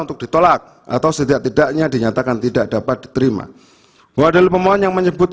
untuk ditolak atau setidaknya dinyatakan tidak dapat diterima wadah pemohon yang menyebut